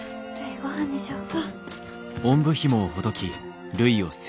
ごはんにしようか。